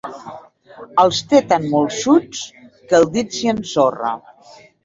Els té tan molsuts que el dit s'hi ensorra.